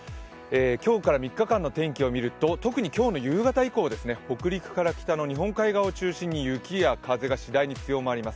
今日から３日間の天気を見ると、特に今日の夕方以降は北陸から北の日本海側を中心に雪や風がしだいに強まります。